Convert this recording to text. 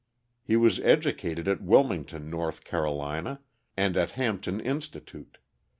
He was educated at Wilmington, N. C., and at Hampton Institute.